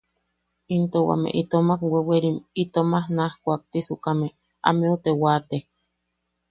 Into wame itomak wewerim, itomak naaj kuaktisukame, ameu te waate.